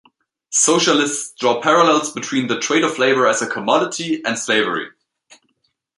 Socialists draw parallels between the trade of labor as a commodity and slavery.